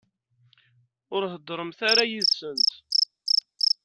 Ur heddṛemt ara yid-sent.